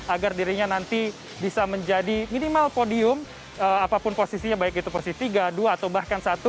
agar dirinya nanti bisa menjadi minimal podium apapun posisinya baik itu posisi tiga dua atau bahkan satu